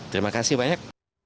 terima kasih banyak